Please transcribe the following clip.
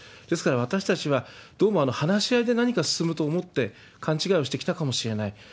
ですから私たちは、どうも話し合いで何か進むと思って勘違いをしてきたかもしれない。